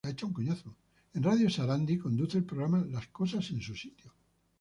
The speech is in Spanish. En radio Sarandí conduce el programa "Las cosas en su sitio".